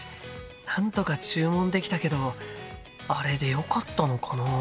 なんとか注文できたけどあれでよかったのかな？